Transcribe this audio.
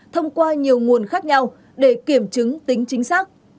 thông qua nhiều nguồn khác nhau để kiểm chứng tính chính xác